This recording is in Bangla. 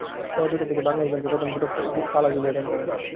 বেলা দুইটার দিকে বাংলাদেশ ব্যাংকের প্রধান ফটকে তালা ঝুলিয়ে দেন তাঁরা।